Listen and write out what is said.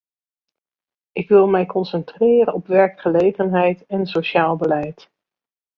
Ik wil mij concentreren op werkgelegenheid en sociaal beleid.